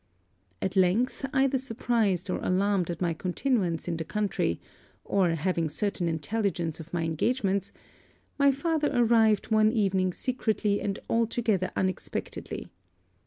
At length, either surprised or alarmed at my continuance in the country, or having certain intelligence of my engagements, my father arrived one evening secretly and altogether unexpectedly.